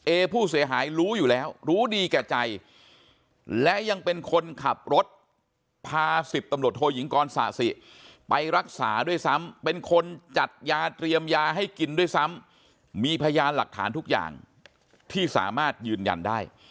เอผู้เสียหายรู้อยู่แล้วรู้ดีแก่ใจและยังเป็นคนขับรถพา๑๐ตำรวจโทยิงกรศาสิไปรักษาด้วยซ้ำเป็นคนจัดยาเตรียมยาให้กินด้วยซ้ำมีพยานหลักฐานทุกอย่างที่สามารถยืนยันได้